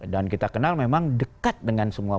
dan kita kenal memang dekat dengan semua